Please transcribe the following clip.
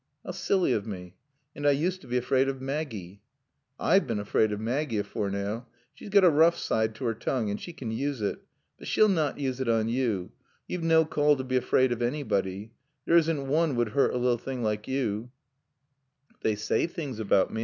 "How silly of me. And I used to be afraid of Maggie." "I've been afraaid of Maaggie afore now. She's got a roough side t' 'er toongue and she can use it. But she'll nat use it on yo'. Yo've naw call to be afraaid ef annybody. There isn't woon would hoort a lil thing like yo'." "They say things about me.